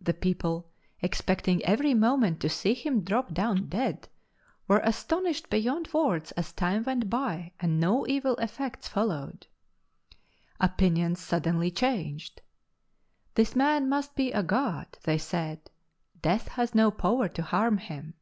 The people, expecting every moment to see him drop down dead, were astonished beyond words as time went by and no evil effects followed. Opinions suddenly changed; this man must be a god, they said, death had no power to harm him.